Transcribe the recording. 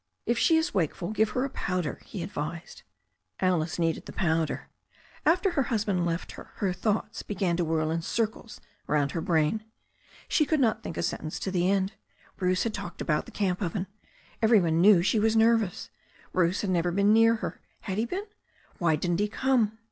If she is wakeful give her a powder," he advised. Alice needed the powder. After her husband left her, her thoughts began to whirl in circles round her brain. She could not think a sentence to the end. Bruce had talked about the camp oven. Every one knew she was nervous. 94 THE STORY OF A NEW ZEALAND RIVER Bruce had never been near her — ^had he been? Why didn't he come?